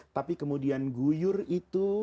tapi kemudian gugur itu